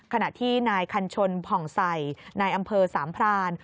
ขณะที่นายคันชนผ่องใส่นายอำเภอสามพราน